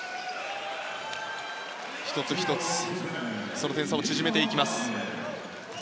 １つ１つその点差を縮めていきます。